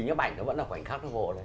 những bảnh vẫn là khoảnh khắc